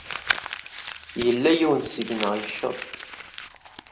Yella yiwen seg-neɣ yecceḍ.